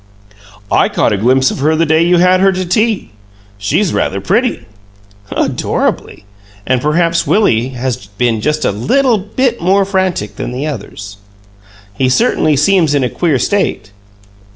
"I caught a glimpse of her the day you had her to tea. She's rather pretty." "Adorably! And perhaps Willie has been just a LITTLE bit more frantic than the others." "He certainly seems in a queer state!"